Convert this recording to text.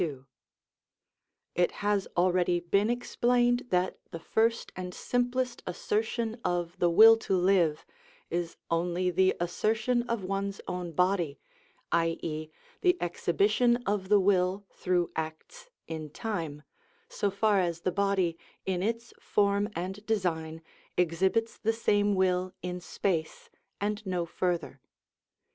§ 62. It has already been explained that the first and simplest assertion of the will to live is only the assertion of one's own body, i.e., the exhibition of the will through acts in time, so far as the body, in its form and design, exhibits the same will in space, and no further.